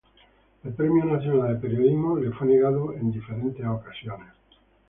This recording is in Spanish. El Premio Nacional de Periodismo le fue negado en varias ocasiones.